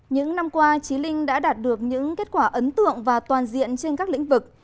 những năm qua trí linh đã đạt được những kết quả ấn tượng và toàn diện trên các lĩnh vực